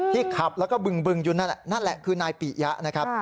ขับแล้วก็บึงอยู่นั่นแหละนั่นแหละคือนายปิยะนะครับ